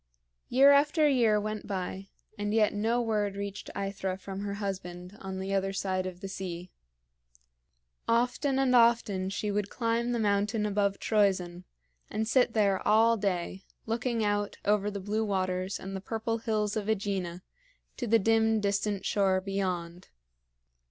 Year after year went by, and yet no word reached AEthra from her husband on the other side of the sea. Often and often she would climb the mountain above Troezen, and sit there all day, looking out over the blue waters and the purple hills of AEgina to the dim, distant shore beyond.